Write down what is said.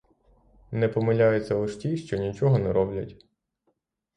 Не помиляються лиш ті, що нічого не роблять.